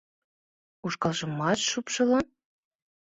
Ушкалжымат шупшылын?